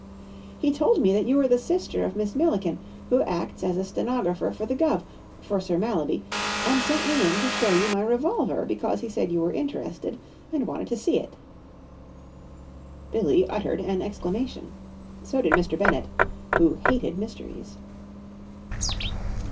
"He told me that you were the sister of the Miss Milliken who acts as stenographer for the guv'—for Sir Mallaby, and sent me in to show you my revolver, because he said you were interested and wanted to see it." Billie uttered an exclamation. So did Mr. Bennett, who hated mysteries.